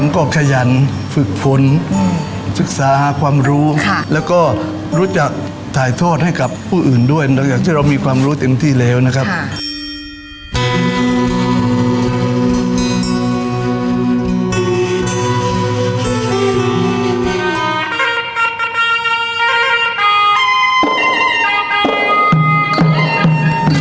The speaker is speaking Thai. ก็ขยันฝึกฝนศึกษาหาความรู้แล้วก็รู้จักถ่ายทอดให้กับผู้อื่นด้วยหลังจากที่เรามีความรู้เต็มที่แล้วนะครับ